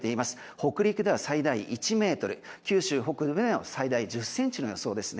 北陸では最大１ｍ九州北部では最大１０ｃｍの予想です。